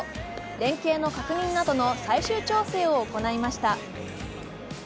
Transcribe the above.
連係の確認などの最終調整を行いました。